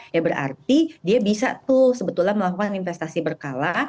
ya berarti dia bisa tuh sebetulnya melakukan investasi berkala